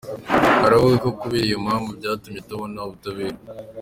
Aravuga ko kubera iyo mpamvu byatumye atabona ubutabera.